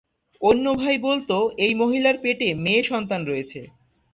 অন্য ভাই বলতো এই মহিলার পেটে মেয়ে সন্তান রয়েছে।